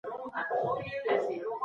که هڅه روانه وي نو بریا نه لیري کېږي.